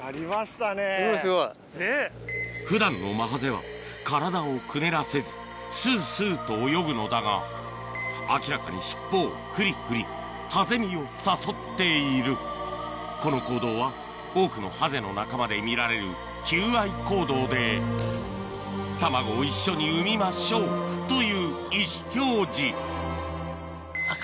普段のマハゼは体をくねらせずススと泳ぐのだが明らかに尻尾をフリフリハゼ美を誘っているこの行動は多くのハゼの仲間で見られる求愛行動でという意思表示